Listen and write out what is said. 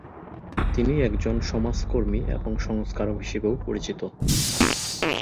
তিনি একজন সমাজকর্মী এবং সংস্কারক হিসেবেও পরিচিত।